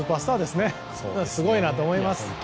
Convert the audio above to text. すごいなと思います。